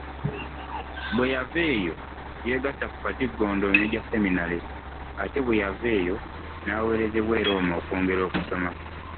Bweyaveeyo yeegatta ku Katigondo Major Seminary ate bweyava eyo naweerezebwa e Roma okwongera okusoma.